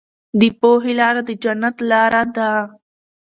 د پوهې لاره د جنت لاره ده.